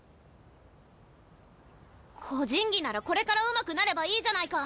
個人技ならこれからうまくなればいいじゃないか！